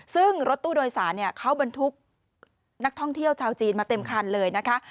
ซึ่งรถตู้โดยสารเขาบรรทุกนักท่องเที่ยวชาวจีนมาเต็มคันเลยนะคะ